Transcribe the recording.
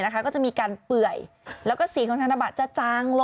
ก็จะมีการเปื่อยแล้วก็สีของธนบัตรจะจางลง